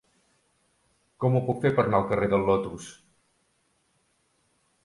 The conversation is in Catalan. Com ho puc fer per anar al carrer del Lotus?